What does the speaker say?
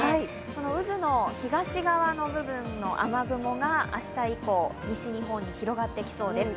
その渦の東側の部分の雨雲が明日以降、西日本に広がってきそうです。